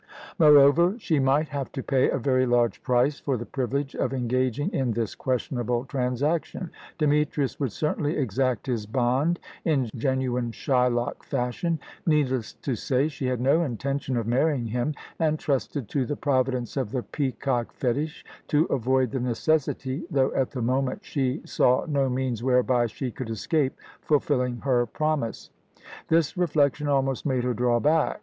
Moreover, she might have to pay a very large price for the privilege of engaging in this questionable transaction. Demetrius would certainly exact his bond in genuine Shylock fashion. Needless to say, she had no intention of marrying him, and trusted to the providence of the peacock fetish to avoid the necessity though at the moment she saw no means whereby she could escape fulfilling her promise. This reflection almost made her draw back.